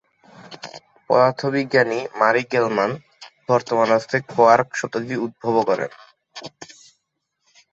পদার্থবিজ্ঞানী Murray Gell Mann, বর্তমান অর্থে "quark" শব্দটি উদ্ভব করেন।